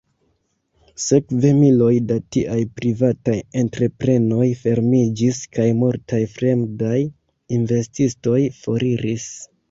Sekve miloj da tiaj privataj entreprenoj fermiĝis kaj multaj fremdaj investistoj foriris.